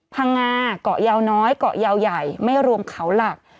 พังงาเกาะยาวน้อยเกาะยาวใหญ่ไม่รวมเขาหลัก